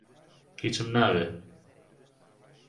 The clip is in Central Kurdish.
هیچم ناوێ.